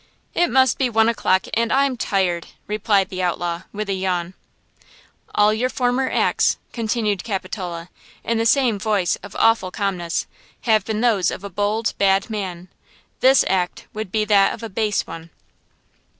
"It must be one o'clock, and I'm tired," replied the outlaw, with a yawn. "All your former acts," continued Capitola, in the same voice of awful calmness, "have been those of a bold, bad man! This act would be that of a base one!"